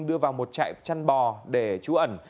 đưa vào một chạy chăn bò để trú ẩn